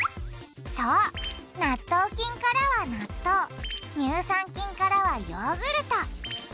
そう納豆菌からは納豆乳酸菌からはヨーグルト。